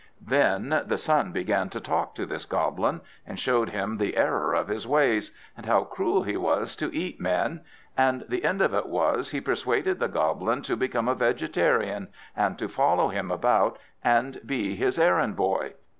Then the son began to talk to this Goblin, and showed him the error of his ways, and how cruel he was to eat men; and the end of it was, he persuaded the Goblin to become a vegetarian, and to follow him about, and be his errand boy.